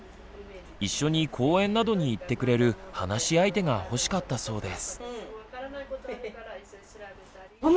一緒に公園などに行ってくれる話し相手が欲しかったそうです。